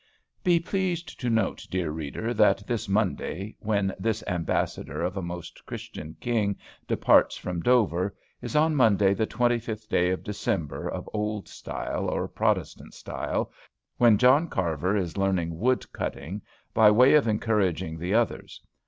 Be pleased to note, dear reader, that this Monday, when this Ambassador of a most Christian King departs from Dover, is on Monday the 25th day of December, of Old Style, or Protestant Style, when John Carver is learning wood cutting, by way of encouraging the others.